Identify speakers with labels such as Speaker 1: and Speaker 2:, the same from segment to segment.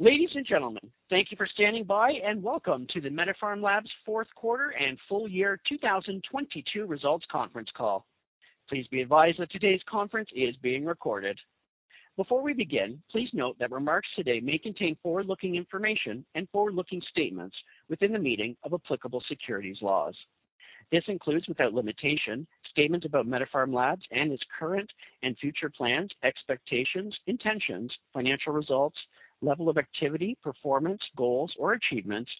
Speaker 1: Ladies and gentlemen, thank you for standing by, and welcome to the MediPharm Labs Fourth Quarter and Full Year 2022 Results Conference Call. Please be advised that today's conference is being recorded. Before we begin, please note that remarks today may contain forward-looking information and forward-looking statements within the meaning of applicable securities laws. This includes, without limitation, statements about MediPharm Labs and its current and future plans, expectations, intentions, financial results, level of activity, performance, goals or achievements,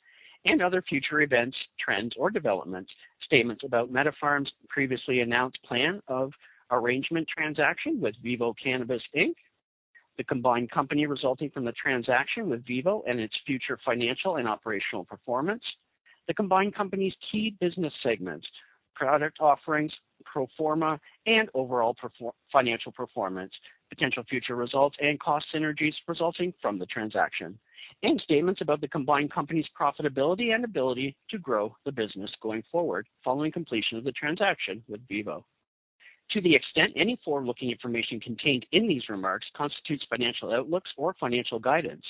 Speaker 1: and other future events, trends or developments. Statements about MediPharm's previously announced plan of arrangement transaction with VIVO Cannabis Inc., the combined company resulting from the transaction with VIVO and its future financial and operational performance, the combined company's key business segments, product offerings, pro forma, and overall financial performance, potential future results and cost synergies resulting from the transaction, and statements about the combined company's profitability and ability to grow the business going forward following completion of the transaction with VIVO. To the extent any forward-looking information contained in these remarks constitutes financial outlooks or financial guidance,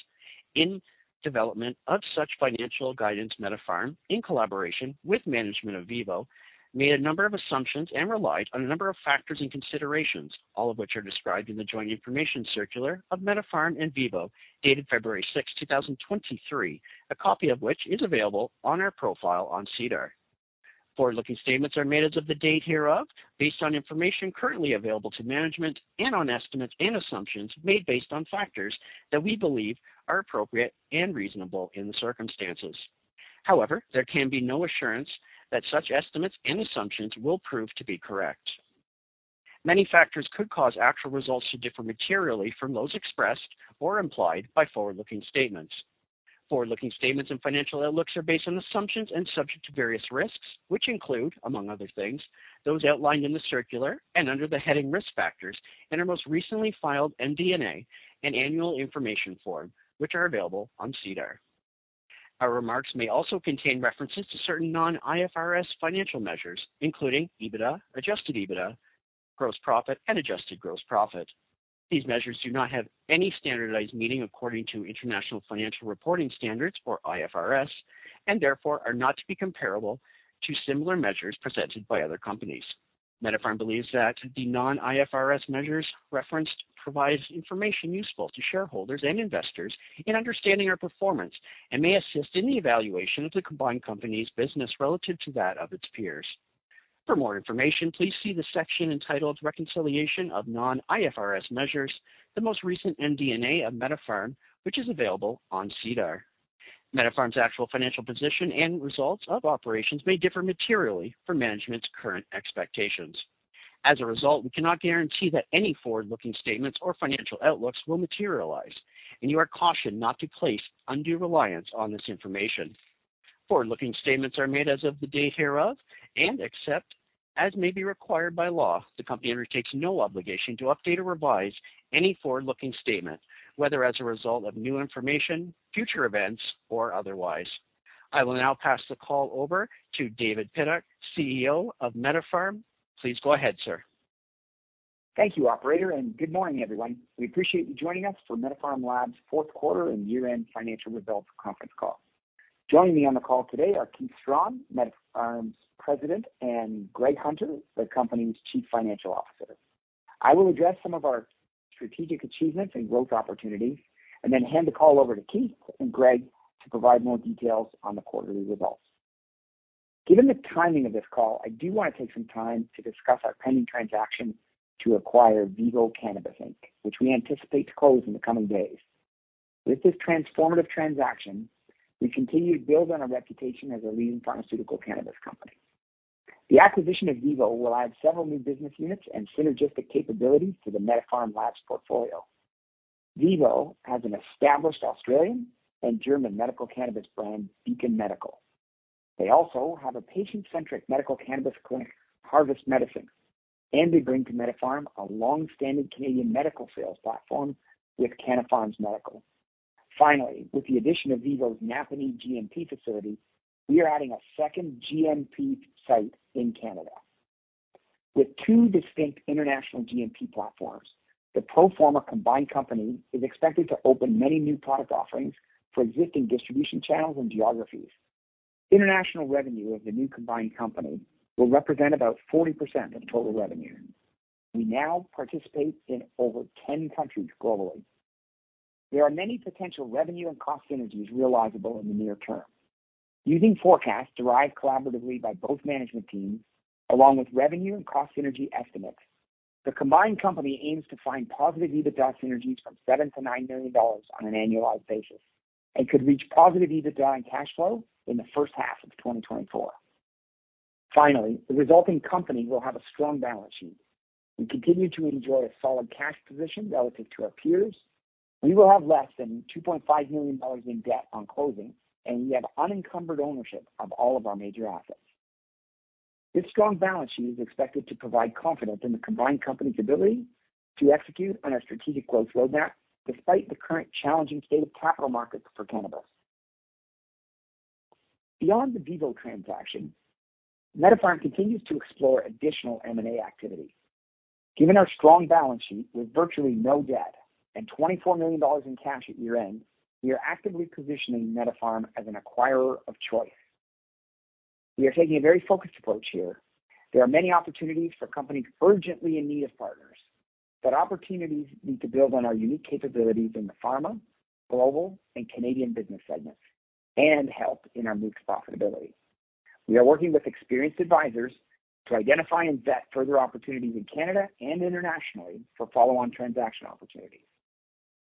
Speaker 1: in development of such financial guidance, MediPharm, in collaboration with management of VIVO, made a number of assumptions and relied on a number of factors and considerations, all of which are described in the joint information circular of MediPharm and VIVO dated February 6, 2023, a copy of which is available on our profile on SEDAR. Forward-looking statements are made as of the date hereof based on information currently available to management and on estimates and assumptions made based on factors that we believe are appropriate and reasonable in the circumstances. However, there can be no assurance that such estimates and assumptions will prove to be correct. Many factors could cause actual results to differ materially from those expressed or implied by forward-looking statements. Forward-looking statements and financial outlooks are based on assumptions and subject to various risks, which include, among other things, those outlined in the circular and under the heading Risk Factors in our most recently filed MD&A and annual information form, which are available on SEDAR. Our remarks may also contain references to certain non-IFRS financial measures, including EBITDA, Adjusted EBITDA, gross profit and adjusted gross profit. These measures do not have any standardized meaning according to International Financial Reporting Standards or IFRS, therefore are not to be comparable to similar measures presented by other companies. MediPharm believes that the non-IFRS measures referenced provides information useful to shareholders and investors in understanding our performance and may assist in the evaluation of the combined company's business relative to that of its peers. For more information, please see the section entitled Reconciliation of Non-IFRS Measures, the most recent MD&A of MediPharm, which is available on SEDAR. MediPharm's actual financial position and results of operations may differ materially from management's current expectations. As a result, we cannot guarantee that any forward-looking statements or financial outlooks will materialize, you are cautioned not to place undue reliance on this information. Forward-looking statements are made as of the date hereof. Except as may be required by law, the company undertakes no obligation to update or revise any forward-looking statement, whether as a result of new information, future events, or otherwise. I will now pass the call over to David Pidduck, CEO of MediPharm. Please go ahead, sir.
Speaker 2: Thank you, operator. Good morning, everyone. We appreciate you joining us for MediPharm Labs fourth quarter and year-end financial results conference call. Joining me on the call today are Keith Strachan, MediPharm's President, and Greg Hunter, the company's Chief Financial Officer. I will address some of our strategic achievements and growth opportunities, and then hand the call over to Keith and Greg to provide more details on the quarterly results. Given the timing of this call, I do want to take some time to discuss our pending transaction to acquire VIVO Cannabis, Inc., which we anticipate to close in the coming days. With this transformative transaction, we continue to build on our reputation as a leading pharmaceutical cannabis company. The acquisition of VIVO will add several new business units and synergistic capabilities to the MediPharm Labs portfolio. VIVO has an established Australian and German medical cannabis brand, Beacon Medical. They also have a patient-centric medical cannabis clinic, Harvest Medicine. They bring to MediPharm a long-standing Canadian medical sales platform with Canna Farms Medical. Finally, with the addition of VIVO's Napanee GMP facility, we are adding a second GMP site in Canada. With two distinct international GMP platforms, the pro forma combined company is expected to open many new product offerings for existing distribution channels and geographies. International revenue of the new combined company will represent about 40% of total revenue. We now participate in over 10 countries globally. There are many potential revenue and cost synergies realizable in the near term. Using forecasts derived collaboratively by both management teams along with revenue and cost synergy estimates, the combined company aims to find positive EBITDA synergies from 7 million-9 million dollars on an annualized basis and could reach positive EBITDA and cash flow in the first half of 2024. The resulting company will have a strong balance sheet. We continue to enjoy a solid cash position relative to our peers. We will have less than 2.5 million dollars in debt on closing, and we have unencumbered ownership of all of our major assets. This strong balance sheet is expected to provide confidence in the combined company's ability to execute on our strategic growth roadmap despite the current challenging state of capital markets for cannabis. Beyond the VIVO transaction, MediPharm continues to explore additional M&A activity. Given our strong balance sheet with virtually no debt and 24 million dollars in cash at year-end, we are actively positioning MediPharm as an acquirer of choice. We are taking a very focused approach here. There are many opportunities for companies urgently in need of partners. Opportunities need to build on our unique capabilities in the pharma, global, and Canadian business segments, and help in our MOIC profitability. We are working with experienced advisors to identify and vet further opportunities in Canada and internationally for follow-on transaction opportunities.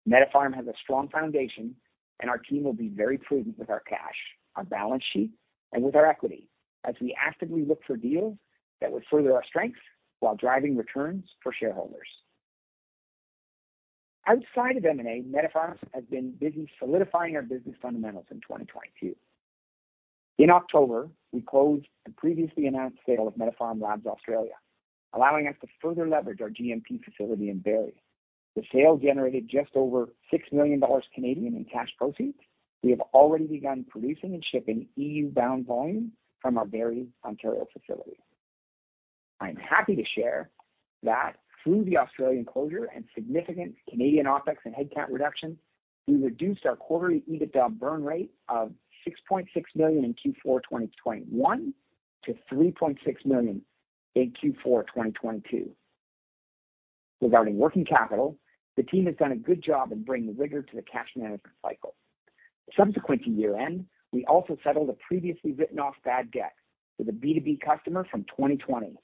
Speaker 2: MediPharm has a strong foundation, and our team will be very prudent with our cash, our balance sheet, and with our equity as we actively look for deals that would further our strengths while driving returns for shareholders. Outside of M&A, MediPharm has been busy solidifying our business fundamentals in 2022. In October, we closed the previously announced sale of MediPharm Labs Australia, allowing us to further leverage our GMP facility in Barrie. The sale generated just over 6 million Canadian dollars in cash proceeds. We have already begun producing and shipping EU-bound volume from our Barrie, Ontario facility. I'm happy to share that through the Australian closure and significant Canadian OpEx and headcount reductions, we reduced our quarterly EBITDA burn rate of 6.6 million in Q4 2021 to 3.6 million in Q4 2022. Regarding working capital, the team has done a good job in bringing rigor to the cash management cycle. Subsequent to year-end, we also settled a previously written-off bad debt with a B2B customer from 2020.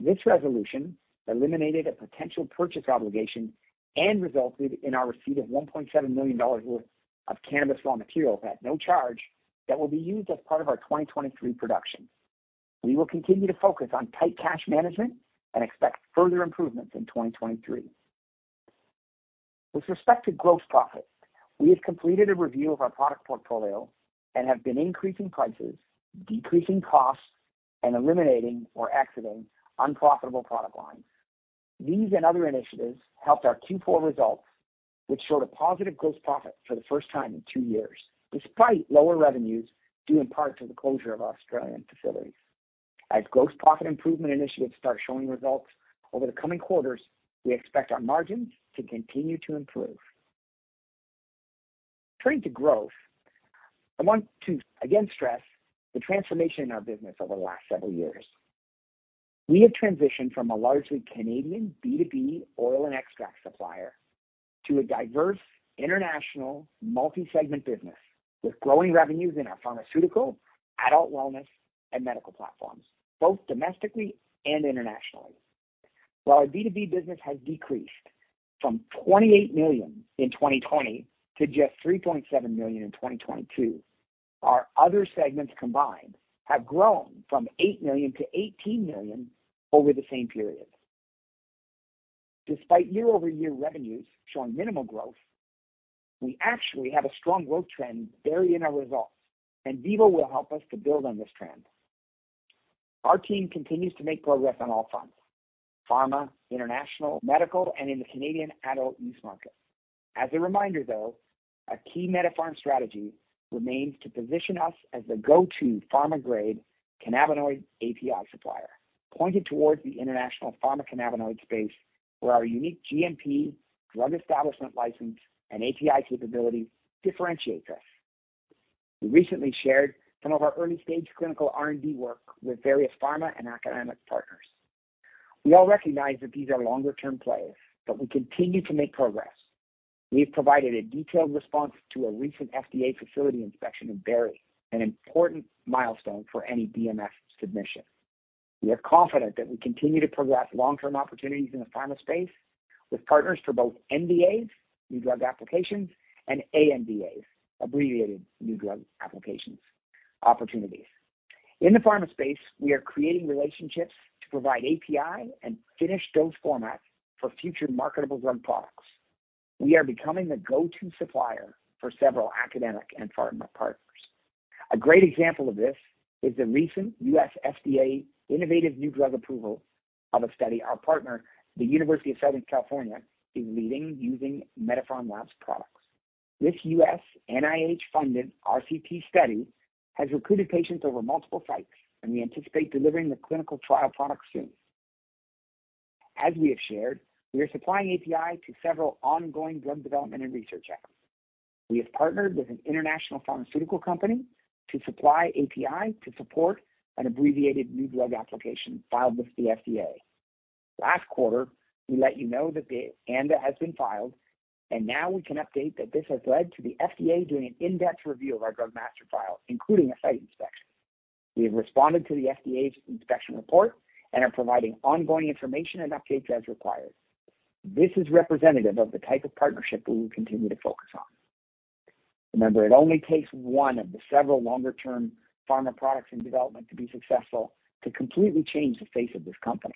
Speaker 2: This resolution eliminated a potential purchase obligation and resulted in our receipt of 1.7 million dollars worth of cannabis raw material at no charge that will be used as part of our 2023 production. We will continue to focus on tight cash management and expect further improvements in 2023. With respect to gross profit, we have completed a review of our product portfolio and have been increasing prices, decreasing costs, and eliminating or exiting unprofitable product lines. These and other initiatives helped our Q4 results, which showed a positive gross profit for the first time in two years, despite lower revenues due in part to the closure of our Australian facilities. As gross profit improvement initiatives start showing results over the coming quarters, we expect our margins to continue to improve. Turning to growth, I want to again stress the transformation in our business over the last several years. We have transitioned from a largely Canadian B2B oil and extract supplier to a diverse international multi-segment business with growing revenues in our pharmaceutical, adult wellness, and medical platforms, both domestically and internationally. While our B2B business has decreased from 28 million in 2020 to just 3.7 million in 2022, our other segments combined have grown from 8 million to 18 million over the same period. Despite year-over-year revenues showing minimal growth, we actually have a strong growth trend buried in our results, and VIVO will help us to build on this trend. Our team continues to make progress on all fronts: pharma, international, medical, and in the Canadian adult-use market. As a reminder, though, a key MediPharm strategy remains to position us as the go-to pharma-grade cannabinoid API supplier, pointed towards the international pharma cannabinoid space where our unique GMP Drug Establishment License and API capabilities differentiates us. We recently shared some of our early-stage clinical R&D work with various pharma and academic partners. We all recognize that these are longer-term plays, but we continue to make progress. We've provided a detailed response to a recent FDA facility inspection in Barrie, an important milestone for any DMF submission. We are confident that we continue to progress long-term opportunities in the pharma space with partners for both NDAs, new drug applications, and ANDAs, abbreviated new drug applications, opportunities. In the pharma space, we are creating relationships to provide API and finished dose formats for future marketable drug products. We are becoming the go-to supplier for several academic and pharma partners. A great example of this is the recent US FDA innovative new drug approval of a study our partner, the University of Southern California, is leading using MediPharm Labs products. This US NIH-funded RCT study has recruited patients over multiple sites. We anticipate delivering the clinical trial product soon. As we have shared, we are supplying API to several ongoing drug development and research efforts. We have partnered with an international pharmaceutical company to supply API to support an abbreviated new drug application filed with the FDA. Last quarter, we let you know that the ANDA has been filed. Now we can update that this has led to the FDA doing an in-depth review of our Drug Master File, including a site inspection. We have responded to the FDA's inspection report. We are providing ongoing information and updates as required. This is representative of the type of partnership that we will continue to focus on. Remember, it only takes one of the several longer-term pharma products in development to be successful to completely change the face of this company.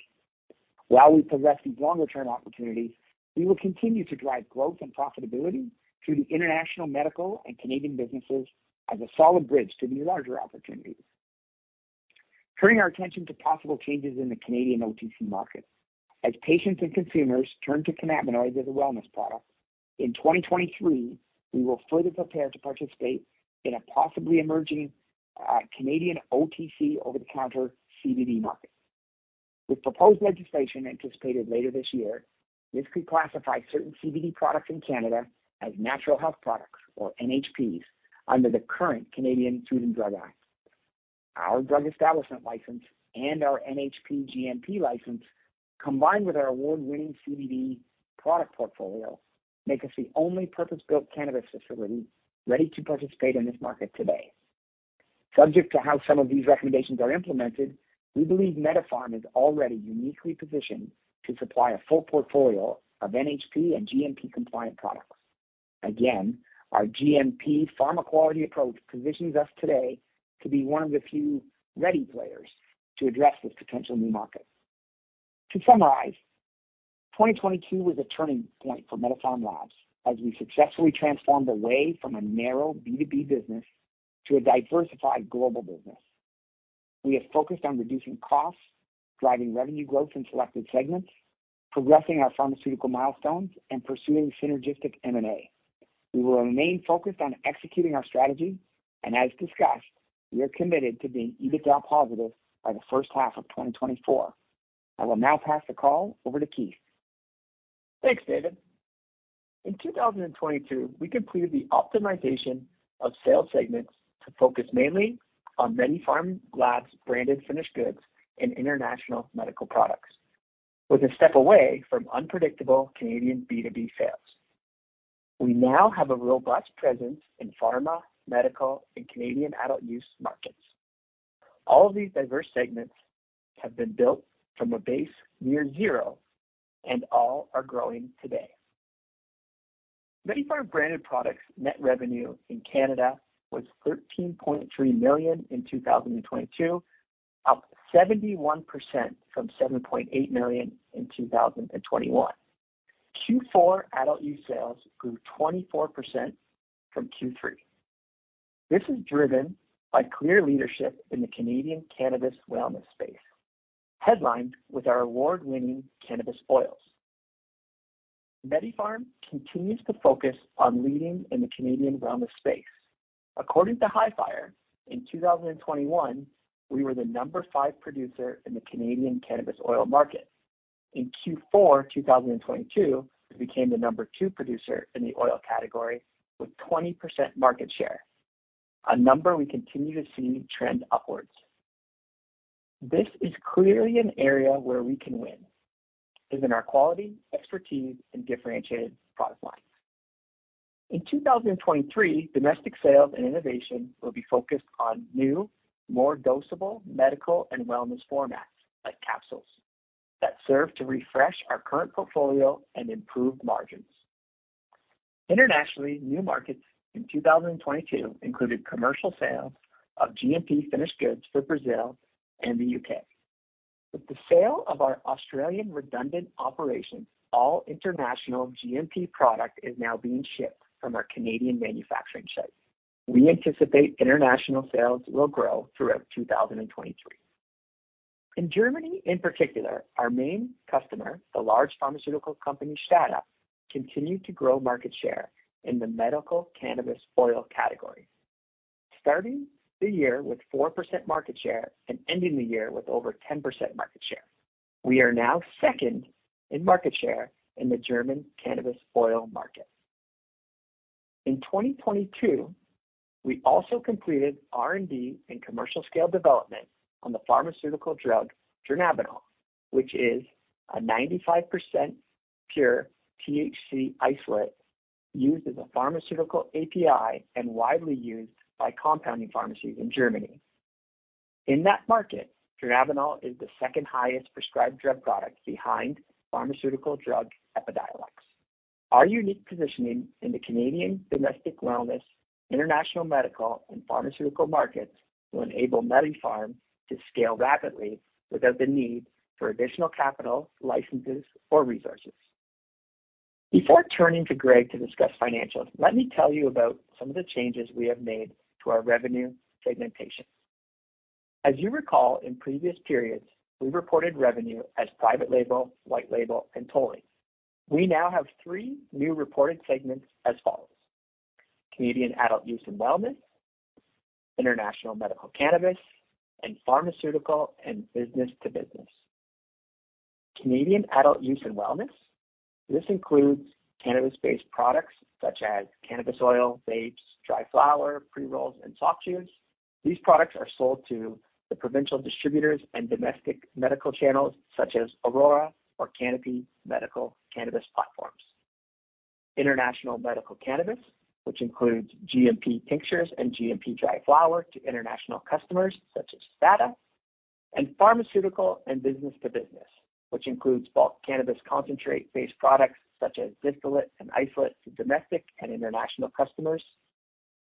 Speaker 2: While we progress these longer-term opportunities, we will continue to drive growth and profitability through the international, medical, and Canadian businesses as a solid bridge to these larger opportunities. Turning our attention to possible changes in the Canadian OTC market. As patients and consumers turn to cannabinoids as a wellness product, in 2023, we will further prepare to participate in a possibly emerging Canadian OTC over-the-counter CBD market. With proposed legislation anticipated later this year, this could classify certain CBD products in Canada as natural health products, or NHPs, under the current Canadian Food and Drugs Act. Our Drug Establishment License and our NHP GMP license, combined with our award-winning CBD product portfolio, make us the only purpose-built cannabis facility ready to participate in this market today. Subject to how some of these recommendations are implemented, we believe MediPharm is already uniquely positioned to supply a full portfolio of NHP and GMP-compliant products. Our GMP pharma-quality approach positions us today to be one of the few ready players to address this potential new market. To summarize, 2022 was a turning point for MediPharm Labs as we successfully transformed away from a narrow B2B business to a diversified global business. We have focused on reducing costs, driving revenue growth in selected segments, progressing our pharmaceutical milestones, and pursuing synergistic M&A. As discussed, we are committed to being EBITDA positive by the first half of 2024. I will now pass the call over to Keith.
Speaker 3: Thanks, David. In 2022, we completed the optimization of sales segments to focus mainly on MediPharm Labs branded finished goods and international medical products, with a step away from unpredictable Canadian B2B sales. We now have a robust presence in pharma, medical, and Canadian adult use markets. All of these diverse segments have been built from a base near zero, and all are growing today. MediPharm branded products net revenue in Canada was 13.3 million in 2022, up 71% from 7.8 million in 2021. Q4 adult use sales grew 24% from Q3. This is driven by clear leadership in the Canadian cannabis wellness space, headlined with our award-winning cannabis oils. MediPharm continues to focus on leading in the Canadian wellness space. According to Hifyre, in 2021, we were the number five producer in the Canadian cannabis oil market. In Q4 2022, we became the number two producer in the oil category with 20% market share, a number we continue to see trend upwards. This is clearly an area where we can win, given our quality, expertise, and differentiated product line. In 2023, domestic sales and innovation will be focused on new, more dosable medical and wellness formats, like capsules, that serve to refresh our current portfolio and improve margins. Internationally, new markets in 2022 included commercial sales of GMP finished goods for Brazil and the U.K.. With the sale of our Australian redundant operations, all international GMP product is now being shipped from our Canadian manufacturing site. We anticipate international sales will grow throughout 2023. In Germany in particular, our main customer, the large pharmaceutical company, STADA, continued to grow market share in the medical cannabis oil category, starting the year with 4% market share and ending the year with over 10% market share. We are now second in market share in the German cannabis oil market. In 2022, we also completed R&D and commercial scale development on the pharmaceutical drug Dronabinol, which is a 95% pure THC isolate used as a pharmaceutical API and widely used by compounding pharmacies in Germany. In that market, Dronabinol is the second highest prescribed drug product behind pharmaceutical drug EPIDIOLEX. Our unique positioning in the Canadian domestic wellness, international medical, and pharmaceutical markets will enable MediPharm to scale rapidly without the need for additional capital, licenses, or resources. Before turning to Greg to discuss financials, let me tell you about some of the changes we have made to our revenue segmentation. As you recall, in previous periods, we reported revenue as private label, white label, and tolling. We now have three new reported segments as follows: Canadian adult use and wellness, international medical cannabis, and pharmaceutical and business to business. Canadian adult use and wellness. This includes cannabis-based products such as cannabis oil, vapes, dry flower, pre-rolls, and soft chews. These products are sold to the provincial distributors and domestic medical channels such as Aurora or Canopy medical cannabis platforms. International medical cannabis, which includes GMP tinctures and GMP dry flower to international customers such as STADA. Pharmaceutical and business to business, which includes bulk cannabis concentrate-based products such as distillate and isolate to domestic and international customers.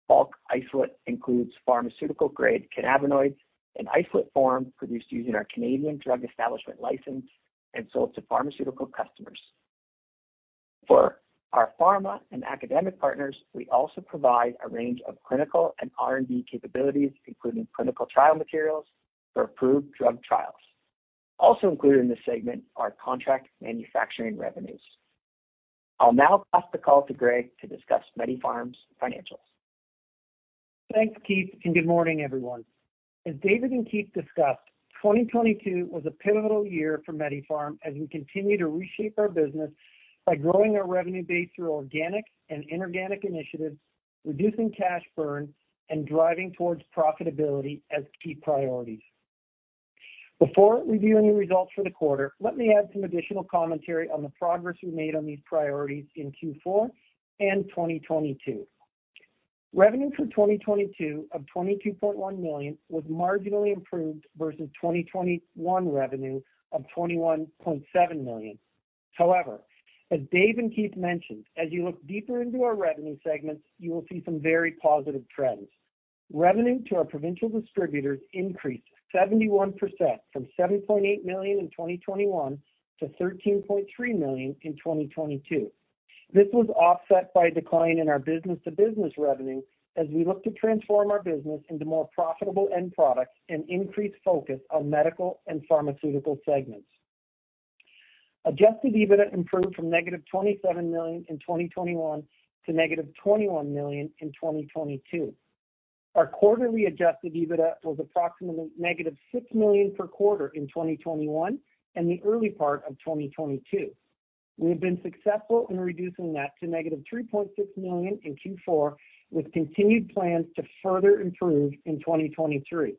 Speaker 3: Bulk isolate includes pharmaceutical-grade cannabinoids in isolate form produced using our Canadian Drug Establishment License and sold to pharmaceutical customers. For our pharma and academic partners, we also provide a range of clinical and R&D capabilities, including clinical trial materials for approved drug trials. Included in this segment are contract manufacturing revenues. I'll now pass the call to Greg to discuss MediPharm Labs financials.
Speaker 4: Thanks, Keith. Good morning, everyone. As David and Keith discussed, 2022 was a pivotal year for MediPharm as we continue to reshape our business by growing our revenue base through organic and inorganic initiatives, reducing cash burn, and driving towards profitability as key priorities. Before reviewing the results for the quarter, let me add some additional commentary on the progress we made on these priorities in Q4 and 2022. Revenue for 2022 of 22.1 million was marginally improved versus 2021 revenue of 21.7 million. As Dave and Keith mentioned, as you look deeper into our revenue segments, you will see some very positive trends. Revenue to our provincial distributors increased 71% from 7.8 million in 2021 to 13.3 million in 2022. This was offset by a decline in our business-to-business revenue as we look to transform our business into more profitable end products and increase focus on medical and pharmaceutical segments. Adjusted EBITDA improved from negative 27 million in 2021 to negative 21 million in 2022. Our quarterly adjusted EBITDA was approximately negative 6 million per quarter in 2021 and the early part of 2022. We have been successful in reducing that to negative 3.6 million in Q4, with continued plans to further improve in 2023.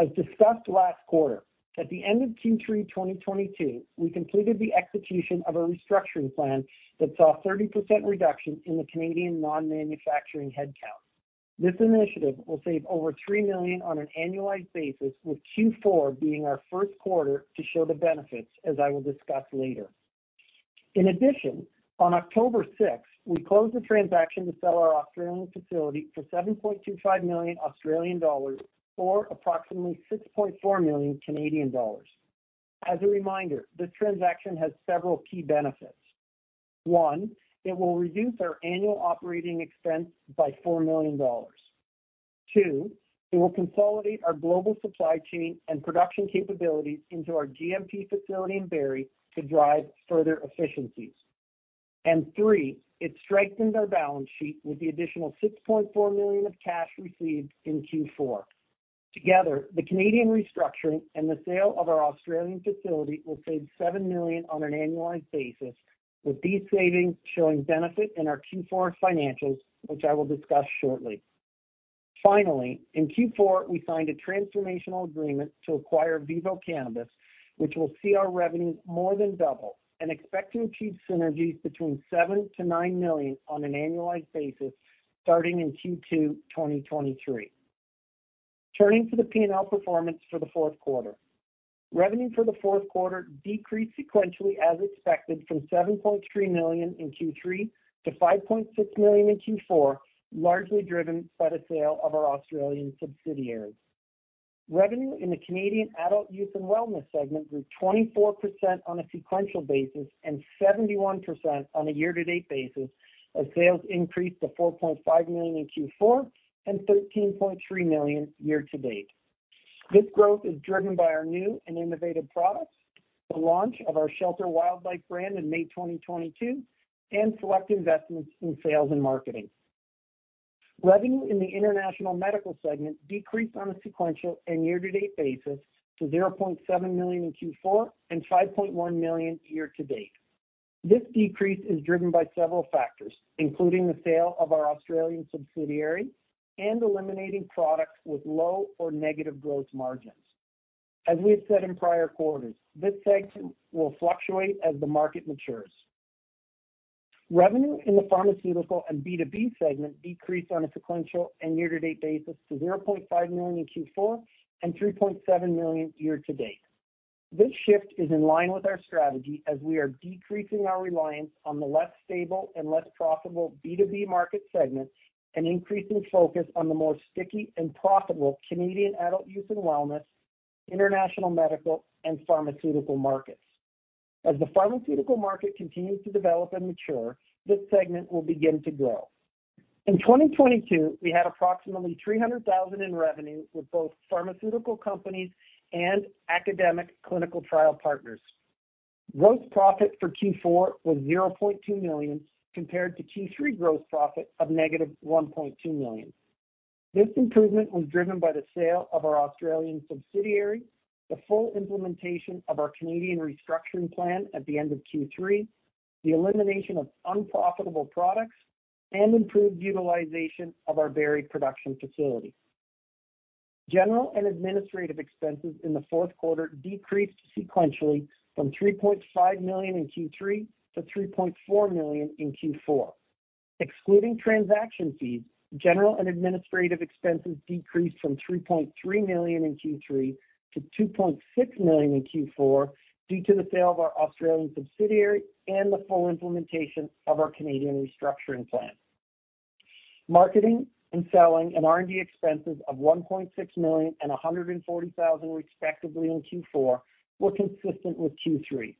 Speaker 4: As discussed last quarter, at the end of Q3 2022, we completed the execution of a restructuring plan that saw a 30% reduction in the Canadian non-manufacturing headcount. This initiative will save over 3 million on an annualized basis, with Q4 being our first quarter to show the benefits, as I will discuss later. In addition, on October 6th, we closed the transaction to sell our Australian facility for 7.25 million Australian dollars or approximately 6.4 million Canadian dollars. As a reminder, this transaction has several key benefits. One, it will reduce our annual operating expense by 4 million dollars. Two, it will consolidate our global supply chain and production capabilities into our GMP facility in Barrie to drive further efficiencies. Three, it strengthens our balance sheet with the additional 6.4 million of cash received in Q4. Together, the Canadian restructuring and the sale of our Australian facility will save 7 million on an annualized basis, with these savings showing benefit in our Q4 financials, which I will discuss shortly. In Q4, we signed a transformational agreement to acquire VIVO Cannabis, which will see our revenue more than double and expecting to achieve synergies between 7 million-9 million on an annualized basis starting in Q2 2023. Turning to the P&L performance for the fourth quarter. Revenue for the fourth quarter decreased sequentially as expected from 7.3 million in Q3 to 5.6 million in Q4, largely driven by the sale of our Australian subsidiaries. Revenue in the Canadian adult use and wellness segment grew 24% on a sequential basis and 71% on a year-to-date basis as sales increased to 4.5 million in Q4 and 13.3 million year-to-date. This growth is driven by our new and innovative products, the launch of our Shelter Wildlife brand in May 2022, and select investments in sales and marketing. Revenue in the international medical segment decreased on a sequential and year-to-date basis to 0.7 million in Q4 and 5.1 million year to date. This decrease is driven by several factors, including the sale of our Australian subsidiary and eliminating products with low or negative growth margins. We have said in prior quarters, this segment will fluctuate as the market matures. Revenue in the pharmaceutical and B2B segment decreased on a sequential and year-to-date basis to 0.5 million in Q4 and 3.7 million year to date. This shift is in line with our strategy as we are decreasing our reliance on the less stable and less profitable B2B market segment and increasing focus on the more sticky and profitable Canadian adult use and wellness, international medical, and pharmaceutical markets. As the pharmaceutical market continues to develop and mature, this segment will begin to grow. In 2022, we had approximately 300,000 in revenue with both pharmaceutical companies and academic clinical trial partners. Gross profit for Q4 was 0.2 million compared to Q3 gross profit of negative 1.2 million. This improvement was driven by the sale of our Australian subsidiary, the full implementation of our Canadian restructuring plan at the end of Q3, the elimination of unprofitable products, and improved utilization of our Barrie production facility. General and administrative expenses in the fourth quarter decreased sequentially from 3.5 million in Q3 to 3.4 million in Q4. Excluding transaction fees, general and administrative expenses decreased from 3.3 million in Q3 to 2.6 million in Q4 due to the sale of our Australian subsidiary and the full implementation of our Canadian restructuring plan. Marketing and selling and R&D expenses of 1.6 million and 140,000 respectively in Q4 were consistent with Q3.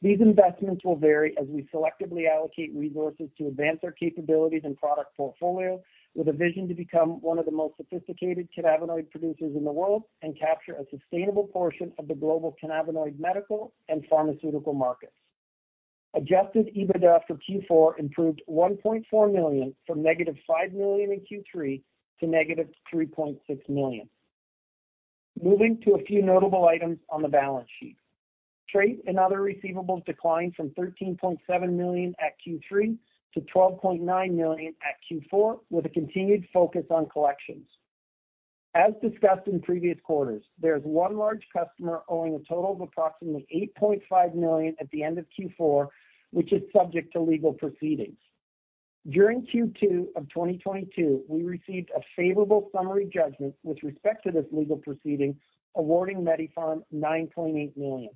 Speaker 4: These investments will vary as we selectively allocate resources to advance our capabilities and product portfolio with a vision to become one of the most sophisticated cannabinoid producers in the world and capture a sustainable portion of the global cannabinoid medical and pharmaceutical markets. Adjusted EBITDA for Q4 improved 1.4 million from negative 5 million in Q3 to negative 3.6 million. Moving to a few notable items on the balance sheet. Trade and other receivables declined from 13.7 million at Q3 to 12.9 million at Q4, with a continued focus on collections. As discussed in previous quarters, there is 1 large customer owing a total of approximately 8.5 million at the end of Q4, which is subject to legal proceedings. During Q2 of 2022, we received a favorable summary judgment with respect to this legal proceeding, awarding MediPharm 9.8 million.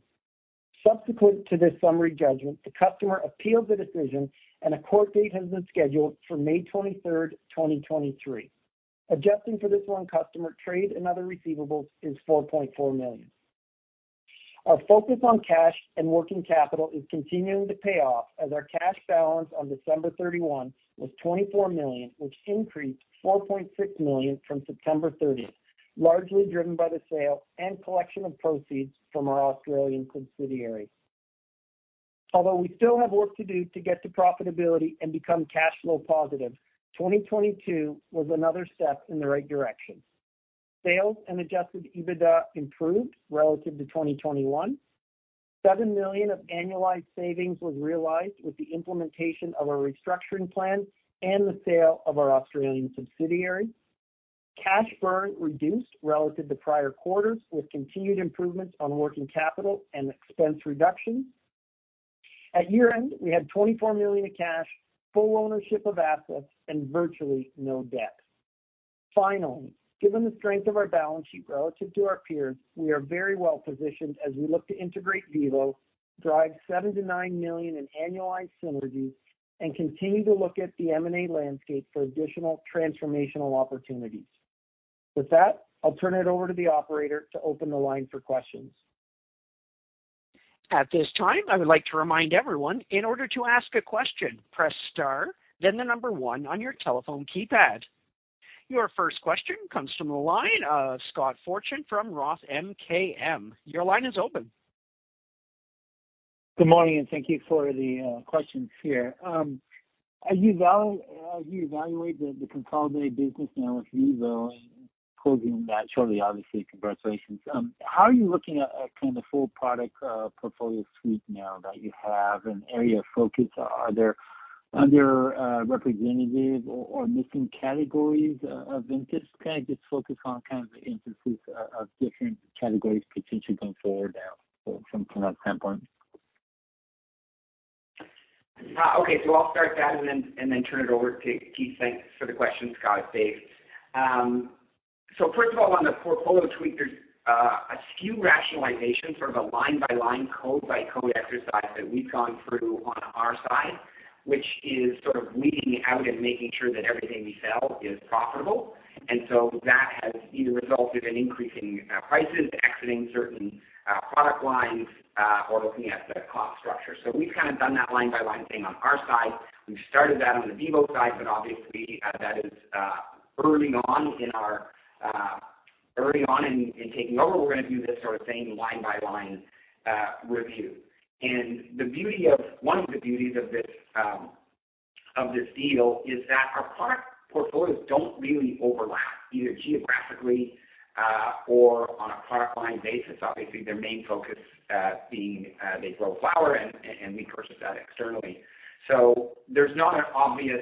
Speaker 4: Subsequent to this summary judgment, the customer appealed the decision, and a court date has been scheduled for May 23, 2023. Adjusting for this 1 customer, trade and other receivables is 4.4 million. Our focus on cash and working capital is continuing to pay off as our cash balance on December 31 was 24 million, which increased 4.6 million from September 30, largely driven by the sale and collection of proceeds from our Australian subsidiary. Although we still have work to do to get to profitability and become cash flow positive, 2022 was another step in the right direction. Sales and adjusted EBITDA improved relative to 2021. 7 million of annualized savings was realized with the implementation of our restructuring plan and the sale of our Australian subsidiary. Cash burn reduced relative to prior quarters, with continued improvements on working capital and expense reduction. At year-end, we had 24 million of cash, full ownership of assets, and virtually no debt. Finally, given the strength of our balance sheet relative to our peers, we are very well positioned as we look to integrate VIVO, drive 7–9 million in annualized synergies, and continue to look at the M&A landscape for additional transformational opportunities. With that, I'll turn it over to the operator to open the line for questions.
Speaker 1: At this time, I would like to remind everyone, in order to ask a question, press star then the number one on your telephone keypad. Your first question comes from the line of Scott Fortune from ROTH MKM. Your line is open.
Speaker 5: Good morning. Thank you for the questions here. As you evaluate the consolidated business now with VIVO and closing that shortly, obviously, congratulations. How are you looking at kind of full product portfolio suite now that you have an area of focus? Are there under representative or missing categories of interest? Can I just focus on kind of the interest of different categories potentially going forward now from that standpoint?
Speaker 2: Okay. I'll start that and then turn it over to Keith Strachan. Thanks for the question, Scott. Dave. First of all, on the portfolio suite, there's a few rationalization sort of a line-by-line, code-by-code exercise that we've gone through on our side, which is sort of weeding out and making sure that everything we sell is profitable. That has either resulted in increasing prices, exiting certain product lines, or looking at the cost structure. We've kind of done that line-by-line thing on our side. We've started that on the VIVO side, obviously, that is early on in our taking over, we're going to do this sort of same line-by-line review. The beauty of one of the beauties of this deal is that our product portfolios don't really overlap, either geographically or on a product line basis. Obviously, their main focus, being they grow flower and we purchase that externally. There's not an obvious,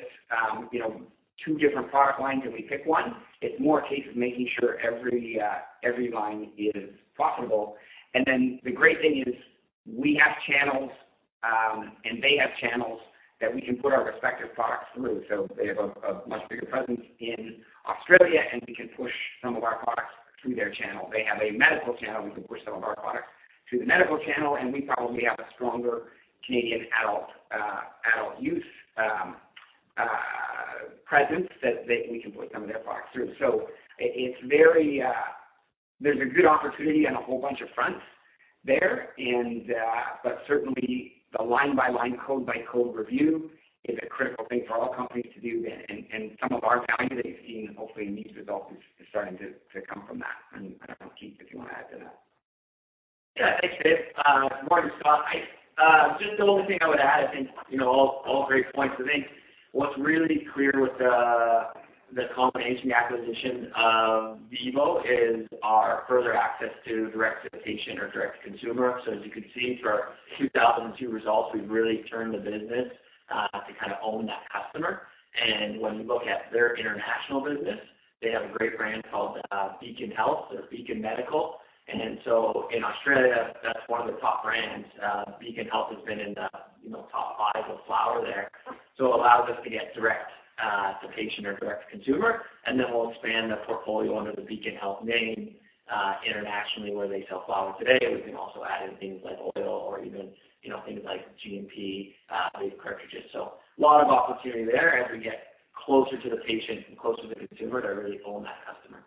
Speaker 2: you know, two different product lines, and we pick one. It's more a case of making sure every line is profitable. The great thing is we have channels, and they have channels that we can put our respective products through. They have a much bigger presence in Australia, and we can push some of our products through their channel. They have a medical channel. We can push some of our products through the medical channel, we probably have a stronger Canadian adult adult use presence that we can put some of their products through. It's very. There's a good opportunity on a whole bunch of fronts there. Certainly the line-by-line, code-by-code review is a critical thing for all companies to do. Some of our value that you've seen hopefully in these results is starting to come from that. I mean, I don't know, Keith, if you want to add to that.
Speaker 3: Yeah. Thanks, Dave. Good morning, Scott. I just the only thing I would add, I think, you know, all great points. I think what's really clear with the combination acquisition of VIVO is our further access to direct-to-patient or direct-to-consumer. As you can see for our 2002 results, we've really turned the business to kind of own that customer. When you look at their international business, they have a great brand called Beacon Health or Beacon Medical. In Australia, that's one of the top brands. Beacon Health has been in the, you know, top buys of flower there. It allows us to get direct to patient or direct to consumer, and then we'll expand the portfolio under the Beacon Health name. Internationally where they sell flower today, we can also add in things like oil or even, you know, things like GMP cartridges. A lot of opportunity there as we get closer to the patient and closer to the consumer to really own that customer.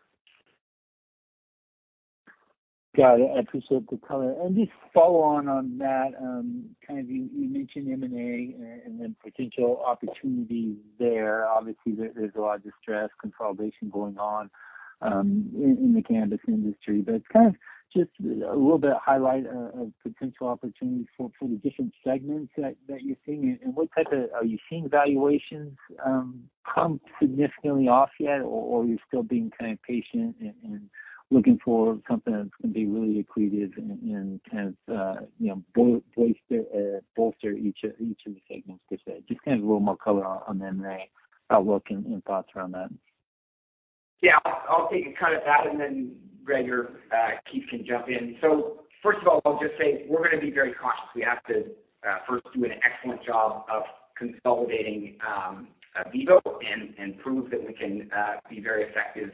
Speaker 5: Got it. I appreciate the color. Just follow on that, kind of you mentioned M&A and then potential opportunities there. Obviously, there's a lot of distress consolidation going on, in the cannabis industry. Kind of just a little bit highlight of potential opportunities for the different segments that you're seeing. Are you seeing valuations, come significantly off yet, or you're still being kind of patient and looking for something that's going to be really accretive and kind of, you know, booster, bolster each of the segments, per se? Kind of a little more color on M&A outlook and thoughts around that.
Speaker 2: Yeah. I'll take a cut at that, and then Greg or Keith can jump in. First of all, I'll just say we're gonna be very cautious. We have to first do an excellent job of consolidating VIVO and prove that we can be very effective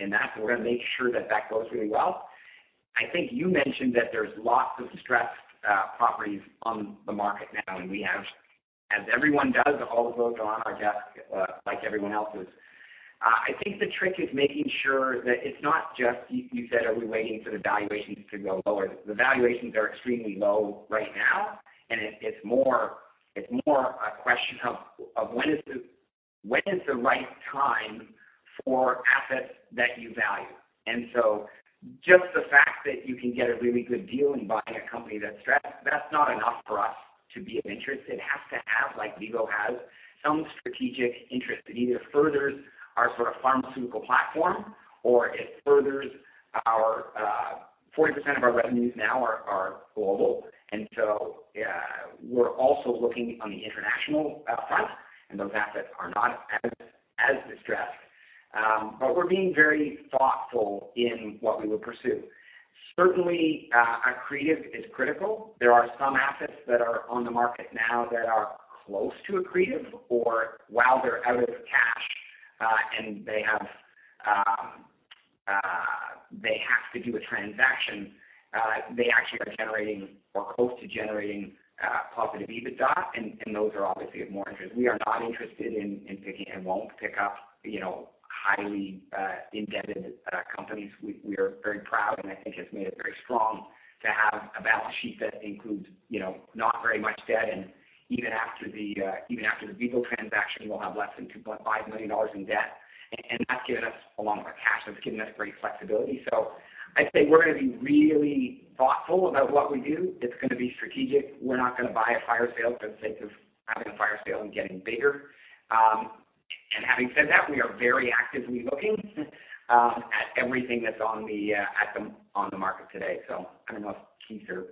Speaker 2: in that. We're gonna make sure that that goes really well. I think you mentioned that there's lots of distressed properties on the market now, and we have, as everyone does, all of those are on our desk, like everyone else's. I think the trick is making sure that it's not just, you said, are we waiting for the valuations to go lower? The valuations are extremely low right now, and it's more a question of when is the right time for assets that you value. Just the fact that you can get a really good deal in buying a company that's stressed, that's not enough for us to be of interest. It has to have, like VIVO has, some strategic interest that either furthers our sort of pharmaceutical platform or it furthers our. 40% of our revenues now are global. We're also looking on the international front, and those assets are not as distressed. We're being very thoughtful in what we would pursue. Certainly, accretive is critical. There are some assets that are on the market now that are close to accretive or while they're out of cash, and they have to do a transaction, they actually are generating or close to generating positive EBITDA. Those are obviously of more interest. We are not interested in picking and won't pick up, you know, highly indebted companies. We are very proud, and I think has made us very strong to have a balance sheet that includes, you know, not very much debt. Even after the even after the VIVO transaction, we'll have less than 2.5 million dollars in debt. That's given us a lot more cash. That's given us great flexibility. I'd say we're gonna be really thoughtful about what we do. It's gonna be strategic. We're not gonna buy a fire sale for the sake of having a fire sale and getting bigger. Having said that, we are very actively looking at everything that's on the market today. I don't know if Keith or...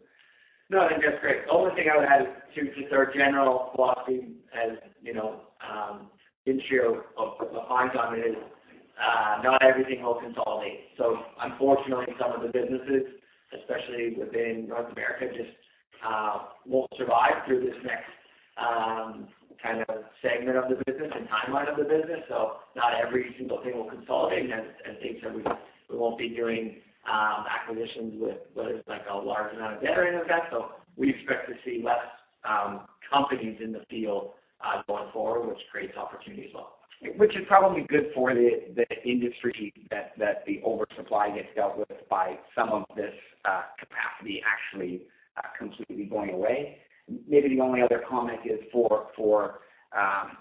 Speaker 3: I think that's great. The only thing I would add is to, just our general philosophy, as you know, the intro of the hindsight is, not everything will consolidate. Unfortunately, some of the businesses, especially within North America, just won't survive through this next kind of segment of the business and timeline of the business. Not every single thing will consolidate. As Keith said, we won't be doing acquisitions with what is like a large amount of debt or any of that. We expect to see less companies in the field going forward, which creates opportunities as well.
Speaker 2: Is probably good for the industry that the oversupply gets dealt with by some of this capacity actually completely going away. Maybe the only other comment is for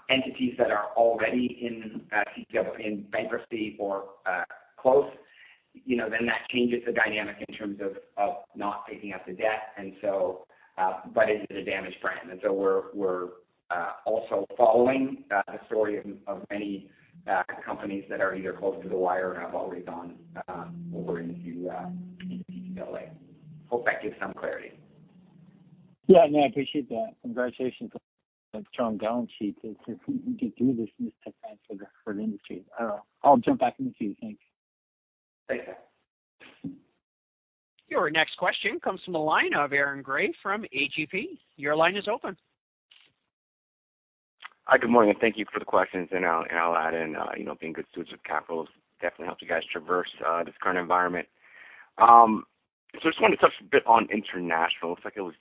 Speaker 2: entities that are already in bankruptcy or close. You know, that changes the dynamic in terms of not taking up the debt. Is it a damaged brand? We're also following the story of many companies that are either close to the wire or have already gone over into CCAA. Hope that gives some clarity.
Speaker 5: Yeah. No, I appreciate that. Congratulations on the strong balance sheet to get through this tough time for the industry. I'll jump back in the queue. Thanks.
Speaker 2: Thanks.
Speaker 1: Your next question comes from the line of Aaron Grey from AGP. Your line is open.
Speaker 6: Hi, good morning, and thank you for the questions. I'll add in, you know, being good stewards of capital definitely helps you guys traverse this current environment. I just wanted to touch a bit on international. It looks like it was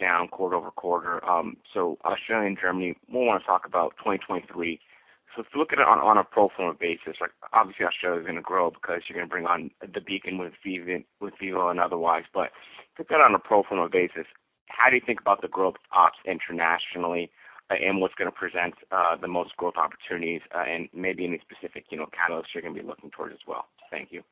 Speaker 6: down quarter-over-quarter. Australia and Germany more want to talk about 2023. If you look at it on a pro forma basis, like obviously Australia is gonna grow because you're gonna bring on the Beacon with VIVO and otherwise. Just that on a pro forma basis, how do you think about the growth ops internationally and what's gonna present the most growth opportunities and maybe any specific, you know, catalysts you're gonna be looking towards as well? Thank you.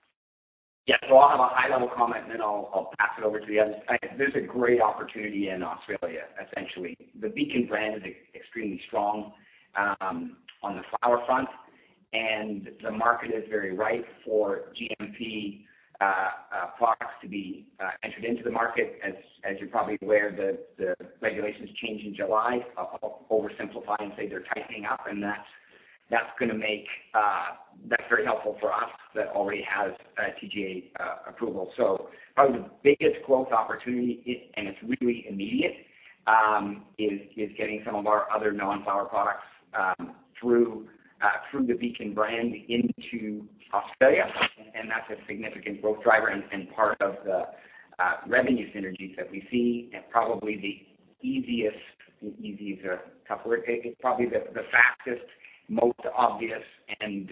Speaker 2: Yeah. I'll have a high-level comment, and then I'll pass it over to the others. There's a great opportunity in Australia, essentially. The Beacon brand is extremely strong on the flower front, and the market is very ripe for GMP products to be entered into the market. As you're probably aware, the regulations change in July. I'll oversimplify and say they're tightening up, and that's gonna make that's very helpful for us that already has TGA approval. Probably the biggest growth opportunity is, and it's really immediate, is getting some of our other non-flower products through the Beacon brand into Australia. That's a significant growth driver and part of the revenue synergies that we see and probably the Easiest tough word pick. It's probably the fastest, most obvious, and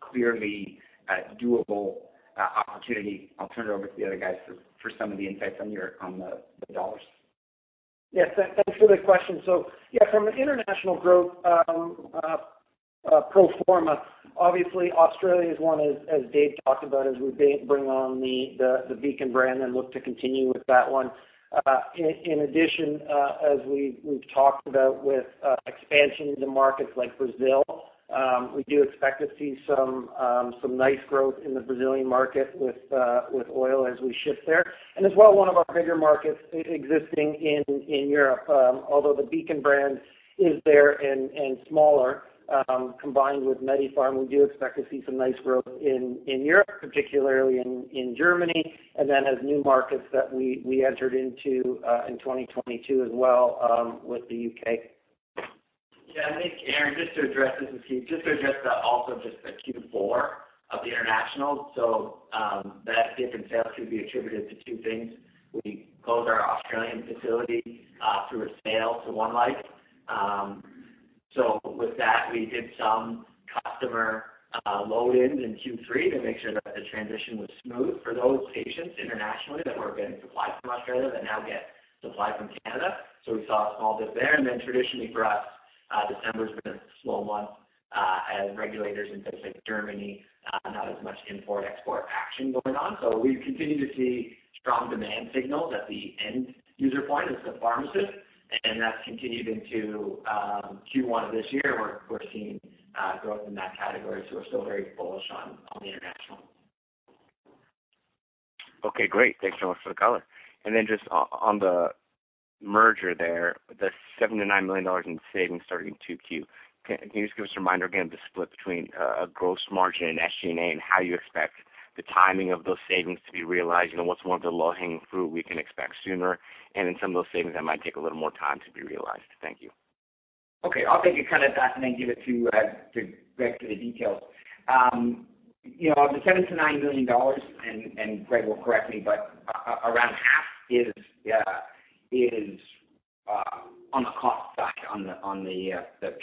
Speaker 2: clearly doable opportunity. I'll turn it over to the other guys for some of the insights on the dollars.
Speaker 4: Yes. Thanks for the question. Yeah, from an international growth pro forma, obviously Australia is one, as Dave talked about, as we bring on the Beacon brand and look to continue with that one. In addition, as we've talked about with expansion into markets like Brazil, we do expect to see some nice growth in the Brazilian market with oil as we ship there. As well, one of our bigger markets existing in Europe, although the Beacon brand is there and smaller, combined with MediPharm Labs, we do expect to see some nice growth in Europe, particularly in Germany. As new markets that we entered into in 2022 as well, with the U.K.
Speaker 2: Yeah. I think, Aaron, just to address this with you, just to address the, also just the Q4 of the international. That dip in sales could be attributed to two things. We closed our Australian facility through a sale to OneLife. With that, we did some customer load-ins in Q3 to make sure that the transition was smooth for those patients internationally that were getting supplied from Australia that now get supplied from Canada. We saw a small dip there. Traditionally for us, December's been a slow month as regulators in places like Germany, not as much import-export action going on. We continue to see strong demand signals at the end user point as the pharmacist, and that's continued into Q1 of this year. We're seeing growth in that category, so we're still very bullish on the international.
Speaker 6: Okay, great. Thanks so much for the color. Then just on the merger there, the $7–$9 million in savings starting in Q2. Can you just give us a reminder again of the split between gross margin and SG&A, and how you expect the timing of those savings to be realized? You know, what's more of the low-hanging fruit we can expect sooner, and then some of those savings that might take a little more time to be realized? Thank you.
Speaker 2: Okay. I'll take a cut at that and then give it to Greg for the details. you know, the 7–9 million dollars, Greg will correct me, but around half is on the cost side, on the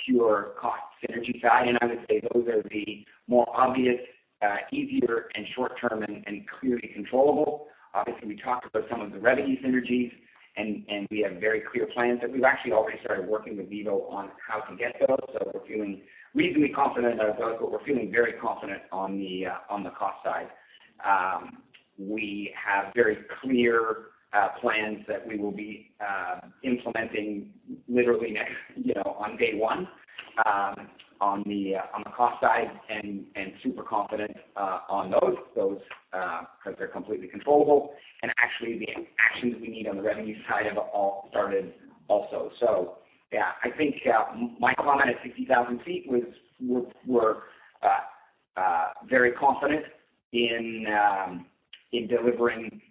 Speaker 2: pure cost synergy side. I would say those are the more obvious, easier and short term and clearly controllable. Obviously, we talked about some of the revenue synergies we have very clear plans that we've actually already started working with VIVO on how to get those. We're feeling reasonably confident on those, but we're feeling very confident on the cost side. We have very clear plans that we will be implementing literally next, you know, on day one, on the cost side and super confident on those, 'cause they're completely controllable. Actually, the actions we need on the revenue side have all started also. Yeah, I think my comment at 60,000 feet was we're very confident in delivering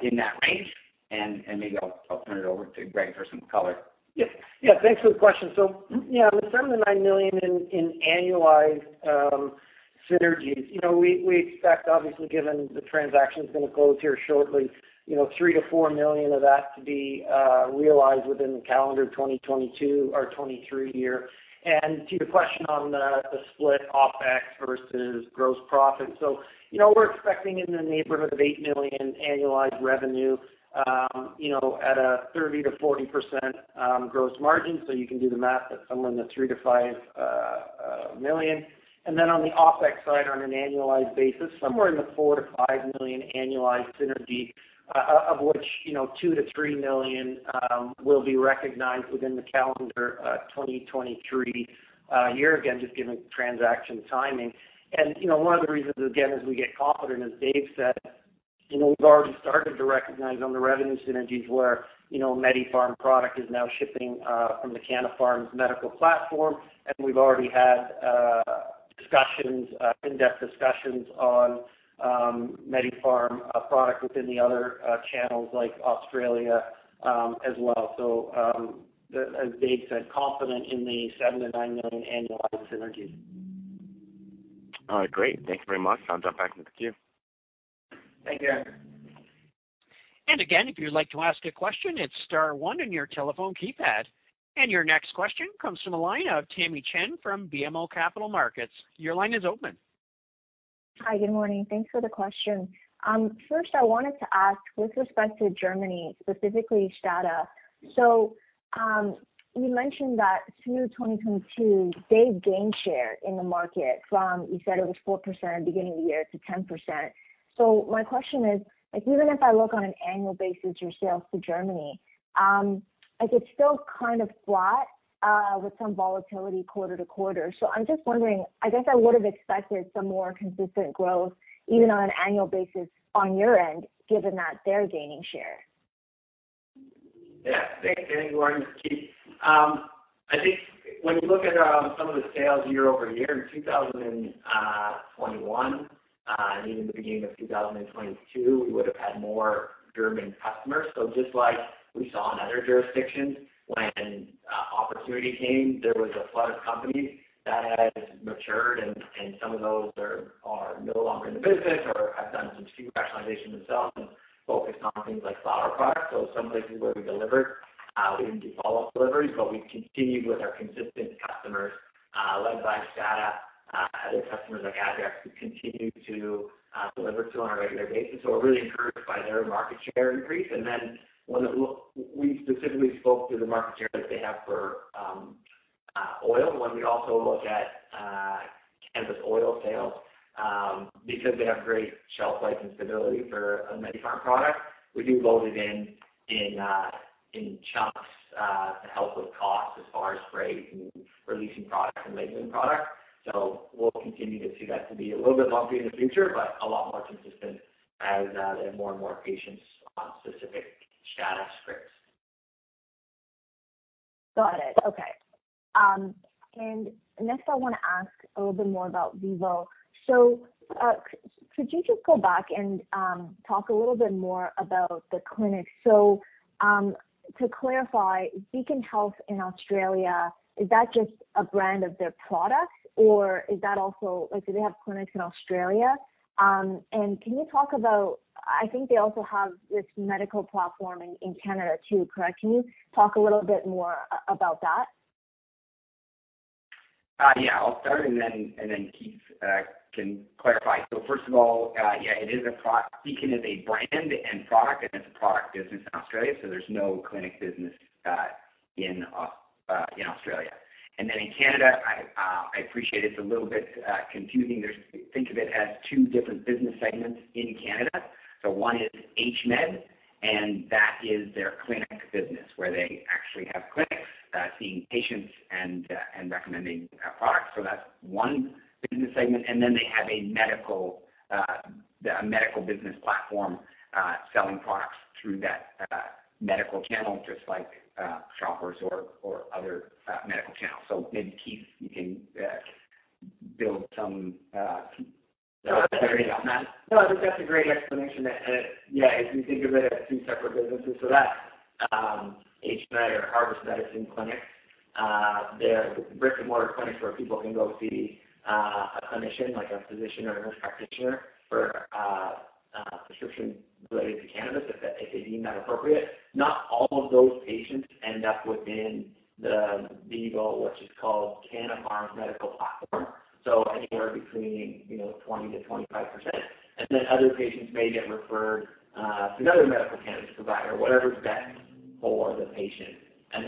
Speaker 2: in that range. Maybe I'll turn it over to Greg for some color.
Speaker 4: Yes. Yeah, thanks for the question. Yeah, the 7–9 million in annualized synergies, you know, we expect obviously, given the transaction's gonna close here shortly, you know, 3–4 million of that to be realized within the calendar 2022 or 2023 year. To your question on the split OpEx versus gross profit. You know, we're expecting in the neighborhood of 8 million annualized revenue, you know, at a 30%–40% gross margin. You can do the math at somewhere in the 3–5 million. Then on the OpEx side, on an annualized basis, somewhere in the 4–5 million annualized synergy, of which, you know, 2–3 million will be recognized within the calendar 2023 year. Again, just given transaction timing. You know, one of the reasons, again, as we get confident, as Dave said, you know, we've already started to recognize on the revenue synergies where, you know, MediPharm product is now shipping from the Canna Farms Medical platform. We've already had discussions, in-depth discussions on MediPharm product within the other channels like Australia as well. As Dave said, confident in the 7–9 million annualized synergies.
Speaker 6: All right, great. Thank you very much. I'll jump back into the queue.
Speaker 4: Thank you.
Speaker 1: Again, if you'd like to ask a question, it's star one on your telephone keypad. Your next question comes from the line of Tamy Chen from BMO Capital Markets. Your line is open.
Speaker 7: Hi, good morning. Thanks for the question. First I wanted to ask with respect to Germany, specifically STADA. You mentioned that through 2022, they've gained share in the market from, you said it was 4% beginning of the year to 10%. My question is, like, even if I look on an annual basis, your sales to Germany, like it's still kind of flat, with some volatility quarter to quarter. I'm just wondering, I guess I would have expected some more consistent growth even on an annual basis on your end, given that they're gaining share.
Speaker 3: Yeah. Thanks, Tamy. Good morning. It's Keith. I think when you look at some of the sales year-over-year in 2021, and even the beginning of 2022, we would've had more German customers. Just like we saw in other jurisdictions when the annuity came, there was a flood of companies that has matured and some of those are no longer in the business or have done some strategic rationalization themselves and focused on things like flower products. Some places where we delivered, we didn't do follow-up deliveries, but we've continued with our consistent customers, led by STADA other customers like Ajax, who continue to deliver to on a regular basis. We're really encouraged by their market share increase. Then when we specifically spoke to the market share that they have for oil. When we also look at cannabis oil sales, because they have great shelf life and stability for a MediPharm product, we do load it in chunks to help with cost as far as spray and releasing product and labeling product. We'll continue to see that to be a little bit lumpier in the future, but a lot more consistent as they have more and more patients on specific STADA scripts.
Speaker 7: Got it. Okay. Next, I wanna ask a little bit more about VIVO. Could you just go back and talk a little bit more about the clinic? To clarify, Beacon Medical in Australia, is that just a brand of their product, or is that also, like, do they have clinics in Australia? Can you talk about, I think they also have this medical platform in Canada too, correct? Can you talk a little bit more about that?
Speaker 2: Yeah. I'll start and then Keith can clarify. First of all, yeah, Beacon is a brand and product, and it's a product business in Australia, so there's no clinic business in Australia. In Canada, I appreciate it's a little bit confusing. Think of it as two different business segments in Canada. One is HMED, and that is their clinic business, where they actually have clinics seeing patients and recommending products. That's one business segment. They have a medical, a medical business platform selling products through that medical channel, just like Shoppers or other medical channels. Maybe, Keith, you can build some clarity on that.
Speaker 3: No, I think that's a great explanation. Yeah, if you think of it as two separate businesses, so that HMED or Harvest Medicine Clinic, they're brick-and-mortar clinics where people can go see a clinician, like a physician or a nurse practitioner for a prescription related to cannabis if they, if they deem that appropriate. Not all of those patients end up within the VIVO, which is called Canna Farms Medical platform, so anywhere between, you know, 20%–25%. Then other patients may get referred to another medical cannabis provider, whatever's best for the patient.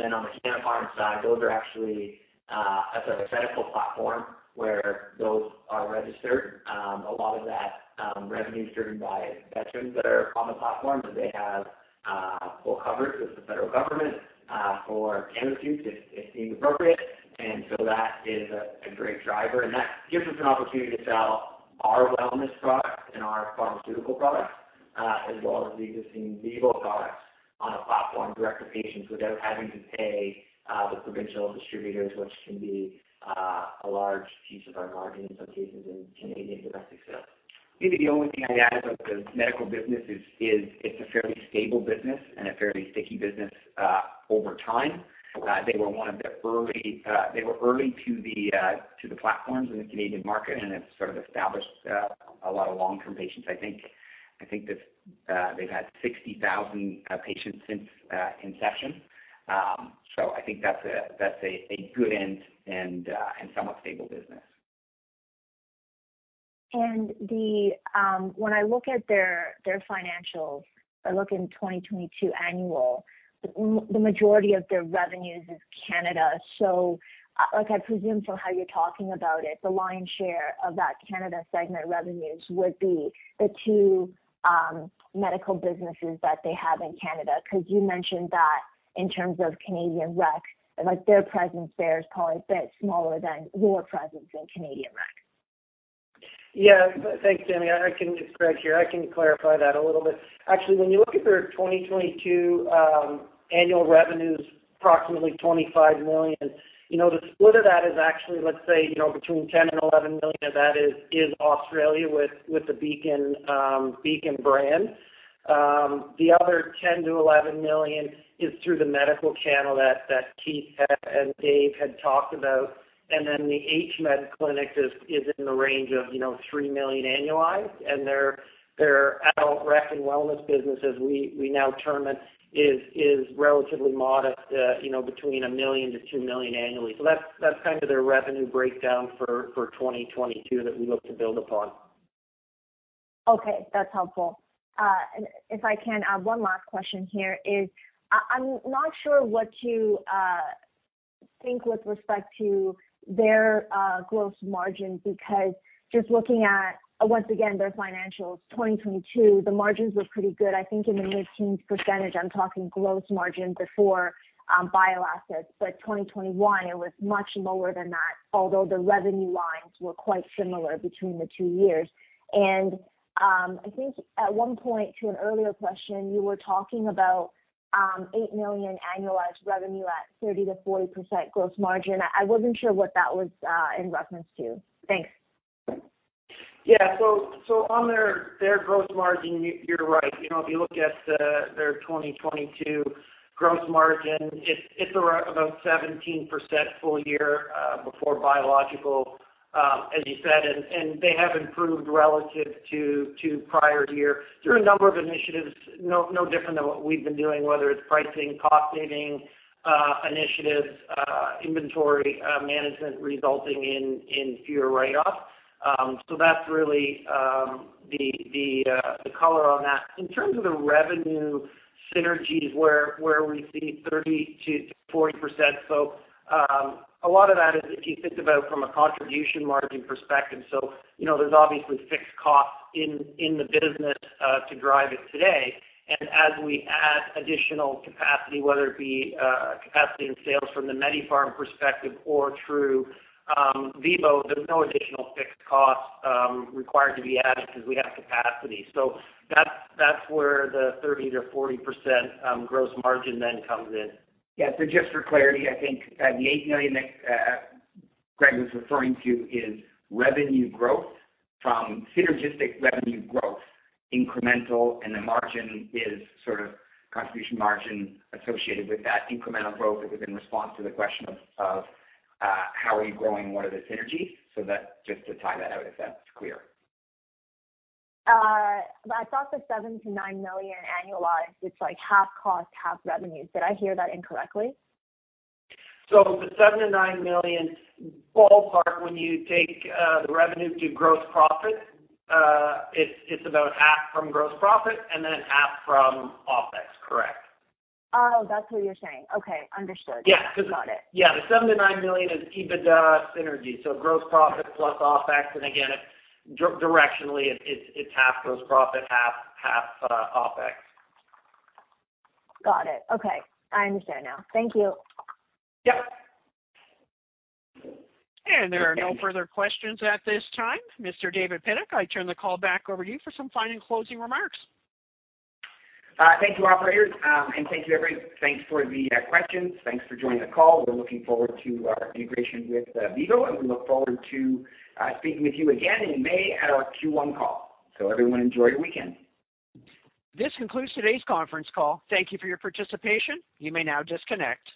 Speaker 3: Then on the Canna Farms side, those are actually a sort of a medical platform where those are registered. A lot of that revenue is driven by veterans that are on the platform, and they have full coverage with the federal government for cannabis use if deemed appropriate. That is a great driver, and that gives us an opportunity to sell our wellness products and our pharmaceutical products, as well as the existing VIVO products on a platform direct to patients without having to pay the provincial distributors, which can be a large piece of our margin in some cases in Canadian domestic sales.
Speaker 2: Maybe the only thing I'd add about the medical business is it's a fairly stable business and a fairly sticky business, over time. They were one of the early, they were early to the platforms in the Canadian market, and it sort of established a lot of long-term patients. I think that they've had 60,000 patients since inception. I think that's a good and somewhat stable business.
Speaker 7: When I look at their financials, I look in 2022 annual, the majority of their revenues is Canada. Like I presume from how you're talking about it, the lion's share of that Canada segment revenues would be the two medical businesses that they have in Canada, because you mentioned that in terms of Canadian rec, like their presence there is probably a bit smaller than your presence in Canadian rec.
Speaker 4: Thanks, Tamy. It's Greg here. I can clarify that a little bit. Actually, when you look at their 2022 annual revenues, approximately 25 million, you know, the split of that is actually, let's say, you know, between 10 million and 11 million of that is Australia with the Beacon brand. The other 10–11 million is through the medical channel that Keith and Dave had talked about. The HMED clinic is in the range of, you know, 3 million annualized. Their adult rec and wellness business, as we now term it, is relatively modest, you know, between 1–2 million annually. That's kind of their revenue breakdown for 2022 that we look to build upon.
Speaker 7: Okay. That's helpful. If I can add one last question here is, I'm not sure what to think with respect to their gross margin, because just looking at, once again, their financials, 2022, the margins look pretty good. I think in the mid-teens %, I'm talking gross margin before bioassets. 2021, it was much lower than that, although the revenue lines were quite similar between the two years. I think at one point to an earlier question, you were talking about 8 million annualized revenue at 30%–40% gross margin. I wasn't sure what that was in reference to. Thanks.
Speaker 4: On their gross margin, you're right. You know, if you look at their 2022 gross margin, it's around about 17% full year before biological, as you said, and they have improved relative to prior year through a number of initiatives. No different than what we've been doing, whether it's pricing, cost saving initiatives, inventory management resulting in fewer write-offs. That's really the color on that. In terms of the revenue synergies where we see 30%–40%. A lot of that is if you think about from a contribution margin perspective. You know, there's obviously fixed costs in the business to drive it today. As we add additional capacity, whether it be capacity in sales from the MediPharm perspective or through VIVO, there's no additional fixed costs required to be added because we have capacity. That's where the 30%–40% gross margin then comes in.
Speaker 2: Just for clarity, I think the 8 million that Greg was referring to is revenue growth from synergistic revenue growth incremental, and the margin is sort of contribution margin associated with that incremental growth. It was in response to the question of how are you growing, what are the synergies? That just to tie that out if that's clear.
Speaker 7: I thought the 7 million-9 million annualized, it's like half cost, half revenues. Did I hear that incorrectly?
Speaker 4: The 7 million-9 million ballpark, when you take the revenue to gross profit, it's about half from gross profit and then half from OpEx. Correct.
Speaker 7: Oh, that's what you're saying. Okay. Understood.
Speaker 4: Yeah.
Speaker 7: Got it.
Speaker 4: The 7 million-9 million is EBITDA synergy, so gross profit plus OpEx, and again, directionally it's half gross profit, half OpEx.
Speaker 7: Got it. Okay. I understand now. Thank you.
Speaker 4: Yep.
Speaker 1: There are no further questions at this time. Mr. David Pidduck, I turn the call back over to you for some final closing remarks.
Speaker 2: Thank you, operator. Thanks for the questions. Thanks for joining the call. We're looking forward to our integration with VIVO, and we look forward to speaking with you again in May at our Q1 call. Everyone enjoy your weekend.
Speaker 1: This concludes today's conference call. Thank you for your participation. You may now disconnect.